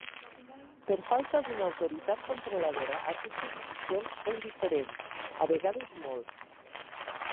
Per falta d'una autoritat controladora, aquestes edicions són diferents, a vegades molt.